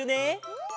うん！